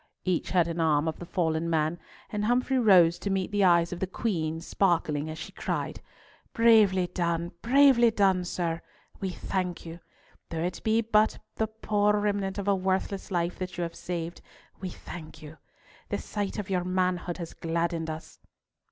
Each had an arm of the fallen man, and Humfrey rose to meet the eyes of the Queen sparkling, as she cried, "Bravely, bravely done, sir! We thank you. Though it be but the poor remnant of a worthless life that you have saved, we thank you. The sight of your manhood has gladdened us."